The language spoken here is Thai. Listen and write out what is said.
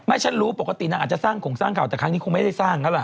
ฉันรู้ปกตินางอาจจะสร้างโครงสร้างข่าวแต่ครั้งนี้คงไม่ได้สร้างแล้วล่ะ